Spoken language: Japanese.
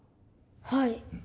はい。